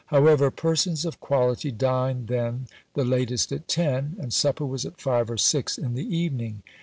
However, persons of quality dined then the latest at ten; and supper was at five or six in the evening.